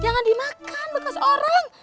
jangan dimakan bekas orang